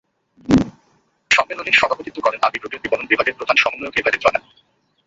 সম্মেলনে সভাপতিত্ব করেন আরবি গ্রুপের বিপণন বিভাগের প্রধান সমন্বয়ক ইভা রিজওয়ানা।